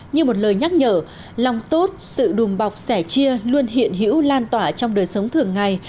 như một lời nhắc nhở lòng tốt sự đùm bọc sẻ chia luôn hiện hữu lan tỏa trong đời sống thường ngày